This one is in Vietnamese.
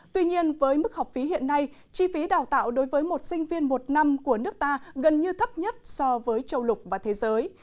tuy nhiên với mức học phí hiện nay chi phí đào tạo đối với một sinh viên một năm của nước ta gần như thấp nhất so với châu lục và thế giới